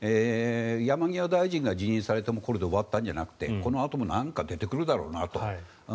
山際大臣が辞任されてこれで終わったんじゃなくてこのあとも何か出てくるだろうなと。